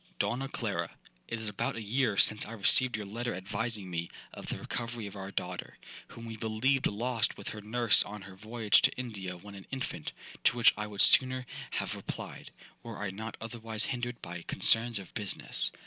'DONNA CLARA, 'It is about a year since I received your letter advising me of the recovery of our daughter, whom we believed lost with her nurse on her voyage to India when an infant, to which I would sooner have replied, were I not otherwise hindered by concerns of business.